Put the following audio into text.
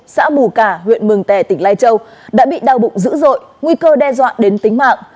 xã mù cả huyện mường tè tỉnh lai châu đã bị đau bụng dữ dội nguy cơ đe dọa đến tính mạng